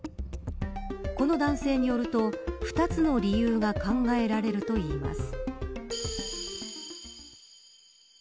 この男性によると２つの理由が考えられるといいます。